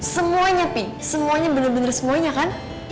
semuanya pi semuanya bener bener semuanya kan